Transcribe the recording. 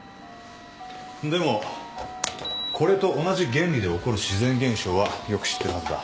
でもこれと同じ原理で起こる自然現象はよく知ってるはずだ。